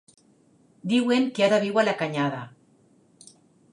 Diuen que ara viu a la Canyada.